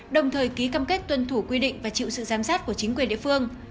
đồng thời ký cam kết tuân thủ quy định và chịu sự giám sát của chính quyền địa phương